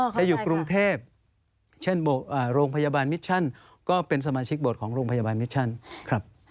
แต่อยู่กรุงเทพเช่นโรงพยาบาลมิชชั่นก็เป็นสมาชิกบทของโรงพยาบาลมิชชั่นครับ